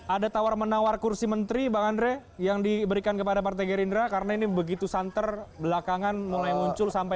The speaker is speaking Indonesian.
ada tawar menawar kursi menteri bang andre yang diberikan kepada partai gerindra karena ini begitu santer belakangan mulai muncul sampai